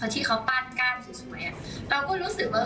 ที่เขาปั้นก้านสวยอ่ะเราก็รู้สึกว่า